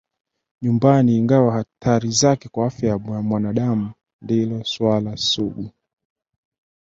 nyumbaniIngawa athari yake kwa afya ya wanadamu ndilo suala sugu